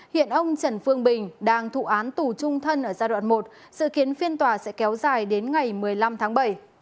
hiện ông trần phương bình đang thụ án tù trung thân ở giai đoạn một sự kiến phiên tòa sẽ kéo dài đến ngày một mươi năm tháng bảy